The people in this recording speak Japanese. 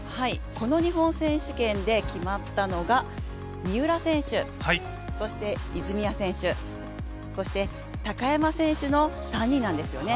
この日本選手権で決まったのが三浦選手、そして泉谷選手、そして高山選手の３人なんですよね。